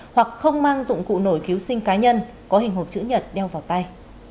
hoặc không mang dụng cụ nổi cứu sinh cá nhân có hình hộp chữ nhật đeo vào tay